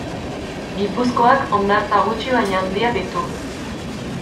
Gipuzkoak hondartza gutxi baina handiak ditu.